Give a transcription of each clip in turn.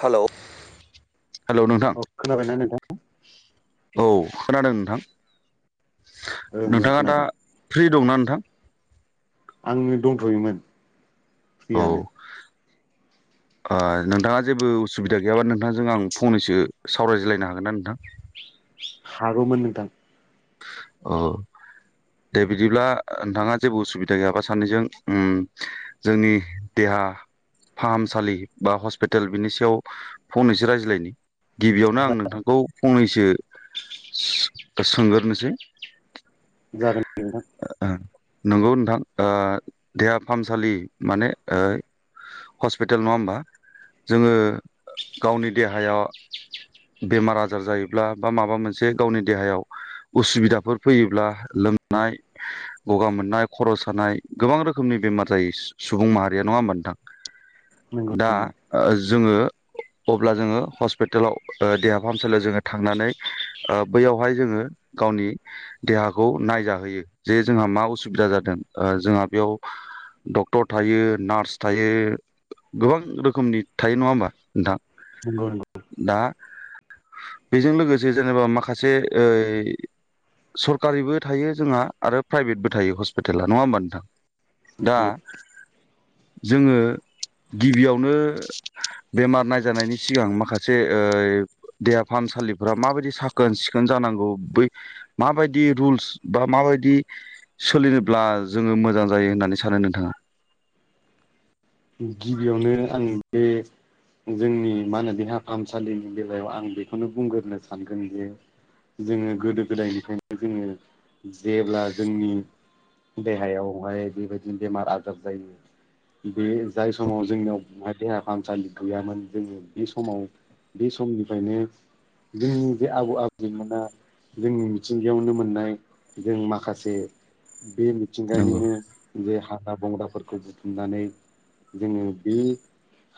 Hello hello नोंथां। औ खोनाबायना नोंथां औ खोनादों नोंथां ओं ओं नोंथाङा दा खोनादों फ्रि दंना? थां। आङो दंथ'योमोन औ फ्रियानो। ओ नोंथाङा जेबो उसुबिदा गैयाबा नोंथांजों आं फंनैसो सावरायज्लायनो हागोन ना नोंथां? हागौमोन नोंथां। औ। दे बिदिब्ला ओ नोंथाङा जेबो उसुबिदा गैयाबा सानैजों उम जोंनि देहा ओ फाहामसालि बा हस्पिताल बिनि सायाव फंनैसो रायज्लायनि। गिबियावनो आं नोंथांखौ फंनैसो सोंगोरोनोसै। जागोन नोंथां। नंगौ नोंथां ओ देहा फाहामसालि माने ओ हस्पिटाल नङा होमबा जोङो गावनि देहायाव बेमार आजार जायोब्ला बा माबा मोनसे गावनि देहायाव उसुबिदा फोर फैयोब्ला लोमनाय गगा मोननाय खर' सानाय गोबां रोखोमनि बेमार जायो। सुबुं माहारिया नङा होमबा नोंथां नंगौ दा नंगौ ओ जोङो अब्ला जोङो हस्पिटालाव ओ देहा फाहामसालियाव जोङो थांनानै ओ बैयावहाय जोङो गावनि देहाखौ नायजाहोयो जे जोंहा मा उसुबिदा जादों ओ जोंहा बेयाव डक्टर थायो नार्स थायो गोबां रोखोमनि थायो नङा होमबा नोंथां? नंगौ नंगौ। दा बेजों लोगोसे जेनेबा माखासे ओ सरकारिबो थायो जोंहा आरो प्राइभेटबो थायो हस्पिटाला नङा होमबा नोंथां? दा नंगौ जोङो गिबियावनो बेमार नायजानायनि सिगां माखासे ओ देहा फाहामसालिफोरा माबायदि साखोन सिखोन जानांगौ बै माबायदि रुल्स बा माबायदि सोलिनोब्ला जोङो मोजां जायो होननानै सानो नोंथाङा? [inaudible] गिबियावनो आं बे जोंनि मा होनो देहा फाहामसालिनि बेलायाव आं बेखौनो बुंग्रोनो सानगोन जे जोङो गोदो गोदायनिफ्रायनो जोङो जेब्ला जोंनि देहायावहाय बेबायदिनो बेमार आजार जायो बे जाय समाव जोंनियाव बहा देहा फाहामसालि गैयामोन जोङो बे समाव बे समनिफ्रायनो जोंनि जे आबौ आबैमोना जोंनि मिथिंगायावनो मोननाय जों माखासे बे नंगौ मिथिंगानिनो जे हाग्रा बंग्राफोरखौ बुथुमनानै जोङो बे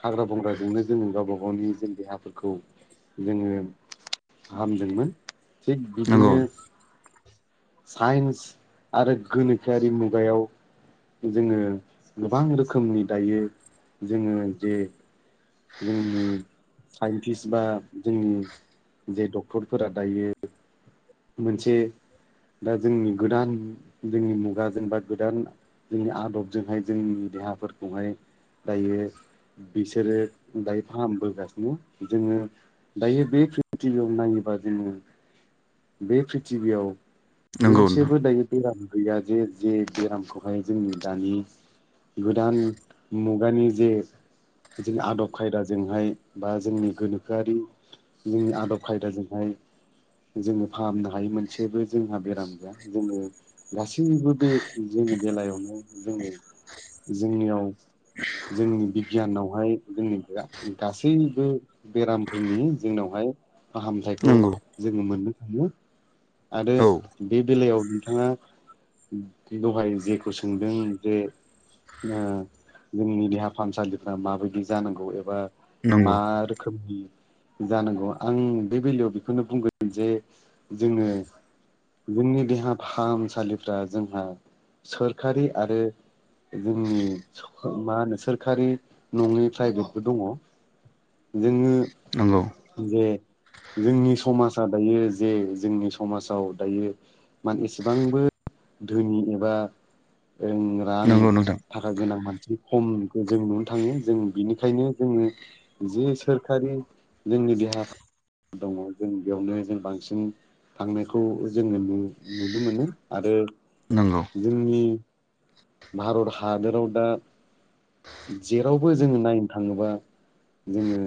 हाग्रा बंग्राजोंनो जोङो गावाबा गावनि जों देहाफोरखौ जोङो फाहामदोंमोन। थिग नंगौ बिदिनो साइन्स आरो गोनोखोआरि मुगायाव जोङो गोबां रोखोमनि दायो जोङो जे जोंनि साइन्टिस्ट बा जोंनि जे डक्टरफोरा दायो मोनसे दा जोंनि गोदान जोंनि मुगाजों बा गोदान जोंनि आदबजोंहाय जोंनि देहाफोरखौहाय दायो बिसोरो दायो फाहामबोगासिनो जोङो दायो बे प्रिटिभियाव नायो बादिनो [inaudible] बे प्रिथिबियाव नंगौ नोंथां मोनसेबो दायो बेराम गैया जे जे बेरामखौहाय जोंनि दानि गोदान मु गानि जे जोंनि आदब खायदाजोंहाय बा जोंनि गोनोखोआरि जोंनि आदब खायदाजोंहाय जोङो फाहामनो हायै मोनसेबो जोंहा बेराम गैया जोङो गासैबो बे जोंनि बेलायावनो जोङो जोंनियाव जोंनि बिगियानाव हाय जोंनि जुगा गासैबो बेरामफोरनि जोंनावहाय फाहामथायखौ नंगौ जोङो मोननो थाङो आरो औ बे बेलायाव नोंथाङा दहाय जेखौ सोंदों जे ओ जोंनिनि देहा फाहामसालिफ्रा माबायदि जानांगौ एबा नंगौ मा रोखोमनि जानांगौ आं बे बेलायाव बेखौनो बुंगोन जे जोङो जोंनि देहा फाहामसालिफ्रा जोंहा सोरखारि आरो जोंनि मा होनो सोरखारि नङै प्राइभेटबो दङ नंगौ जोङो जे जोंनि समाजा दायो जे जोंनि समाजाव दायो मान एसेबांबो धोनि एबा ओं रां नंगौ नोंथां थाखा गोनां मानसि खमखौ जों नुनो थाङो जों बिनिखायनो जोङो जे सोरखारि जोंनि जि दङ जों बेयावनो जों बांसिन जों थांनायखौ जोङो नु नुनो मोनो आरो नंगौ जोंनि भारत हादोराव दा जेरावबो जोङो नायनो थाङोबा जोङो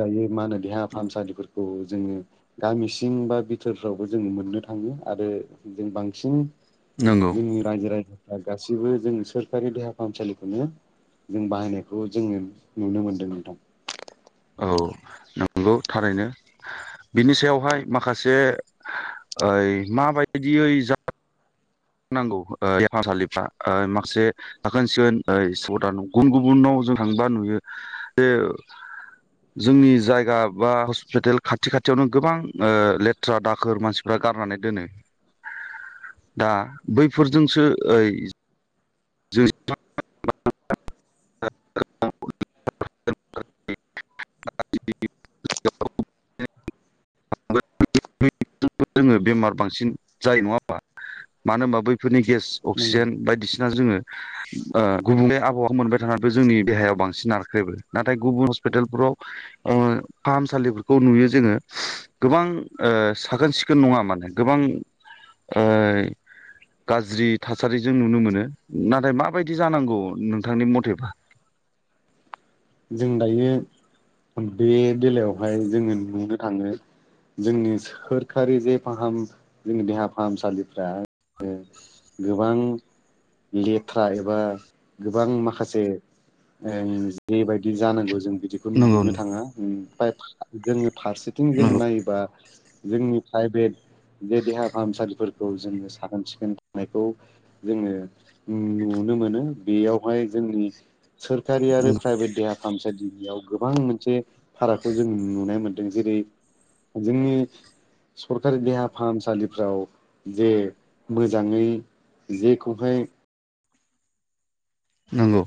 दायो मा होनो देहा फाहामसालिफोरखौ जोङो गामि सिं बा बिथोरफ्रावबो जों मोननो थाङो आरो जों बांसिन नंगौ जोंनि रायजो राय या गासिबो जों सोरखारि देहा फाहामसालिखौनो जों बाहायनायखौ जोङो नुनो मोनदों नोंथां। औ नोंगौ थारैनो बिनि सायावहाय माखासे ओइ माबायदियै जा नांगौ ओ देहा फाहामसालिफ्रा ओ माखासे साखोन सिखोन ओइ सधान गुबुन गुबुनाव जों थाङोबा नुयो जे जोंनि जायगा बा हस्पिटेल खाथि खाथियावनो गोबां ओ लेथ्रा दाखोर मानसिफ्रा गारनानै दोनो दा बैफोरजोंसो ओइ [unintelligible] [unintelligible] [unintelligible] जोङो बेमार बांसिन जायो नङा होमबा? मानो ओमबा बैफोरनि गेस अक्सिजेन बायदिसिना जोंङो ओ गुबुंले आबहावा मोनबाय थानान बो जोंनि देहायाव बांसिन नारख्रेबो नाथाय गुबुन हस्पिटालफोराव ओ फाहामसालिफोरखौ नु यो जोङो। गोबां ओ साखोन सिखोन नङा माने गोबां ओइ गाज्रि थासारि जों नुनो मोनो नाथाय माबायदि जानांगौ नोंथांनि मथेबा? [inaudible] जों दायो बे बेलायावहाय जोंङो नुनो थांङो। जोंनि सोरखारि जे फाहाम जोंनि देहा फाहामसालिफ्रा ओ गोबां लेथ्रा एबा गोबां माखासे ओं जेबायदि जानांगौ जों बिदिखौ नंगौ नुनो थांङा ओमफाय जोंङो फारसेथिं जों नंगौ नायोबा जोंनि प्राइभेट बे देहा फाहाम सालिफोरखौ जोंङो साखोन सिखोन थानायखौ जोंङो नु नो मोनो बेयावहाय जोंनि सोरखारि आरो नंगौ प्राइभेट देहा फाहामसालियाव गोबां मोनसे फारागखौ जों नुनाय मोन्दों जेरै जोंनि सरकारि देहा फाहामसालिफ्राव जे मोजांङै जेखौहाय नंगौ।